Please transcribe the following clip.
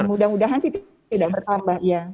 jadi mudah mudahan sih tidak bertambah ya